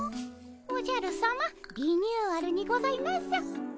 おじゃるさまリニューアルにございます。